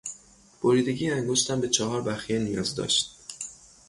بریدگی انگشتم به چهار بخیه نیاز داشت.